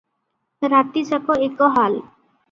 ରାତିଯାକ ଏକ ହାଲ ।